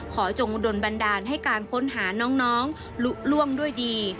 จงโดนบันดาลให้การค้นหาน้องลุล่วงด้วยดี